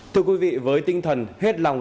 thưa quý vị với tinh thần hết lòng